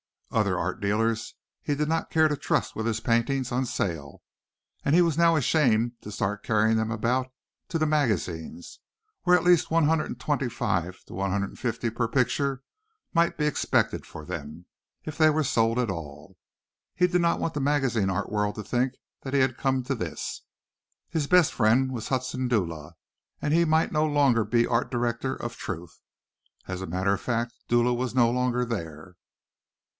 Other art dealers he did not care to trust with his paintings on sale, and he was now ashamed to start carrying them about to the magazines, where at least one hundred and twenty five to one hundred and fifty per picture might be expected for them, if they were sold at all. He did not want the magazine art world to think that he had come to this. His best friend was Hudson Dula, and he might no longer be Art Director of Truth. As a matter of fact Dula was no longer there.